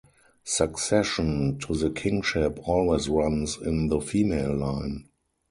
Succession to the kingship always runs in the female line.